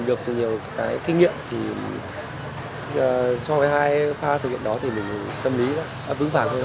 và có nhiều cái kinh nghiệm thì so với hai pha thực hiện đó thì mình tâm lý đã vững vàng hơn